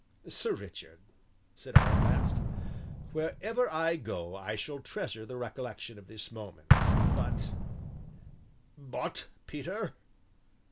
"Sir Richard," said I at last, "wherever I go I shall treasure the recollection of this moment, but " "But, Peter?"